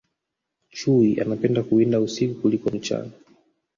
chui anapenda kuwinda usiku kuliko mchana